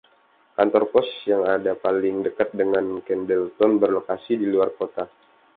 Kantor Pos yang ada paling dekat dengan Kendleton berlokasi di luar kota.